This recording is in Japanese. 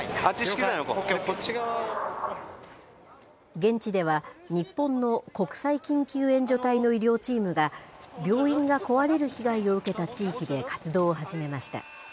現地では、日本の国際緊急援助隊の医療チームが、病院が壊れる被害を受けた地域で活動を始めました。